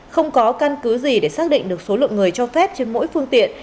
không có căn cứ gì để xác định được số lượng người cho phép trên mỗi phương tiện